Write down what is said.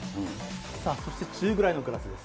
さあ、そして中ぐらいのグラスです。